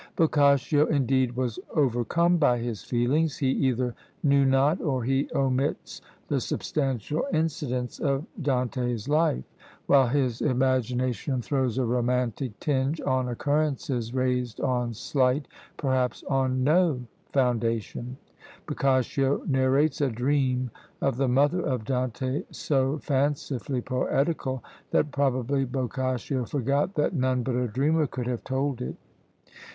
Boccaccio, indeed, was overcome by his feelings. He either knew not, or he omits the substantial incidents of Dante's life; while his imagination throws a romantic tinge on occurrences raised on slight, perhaps on no foundation. Boccaccio narrates a dream of the mother of Dante so fancifully poetical, that probably Boccaccio forgot that none but a dreamer could have told it.